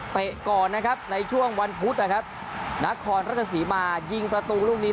ก่อนนะครับในช่วงวันพุธนะครับนครราชสีมายิงประตูลูกนี้